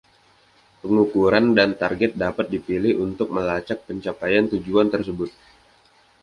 Pengukuran dan target dapat dipilih untuk melacak pencapaian tujuan tersebut.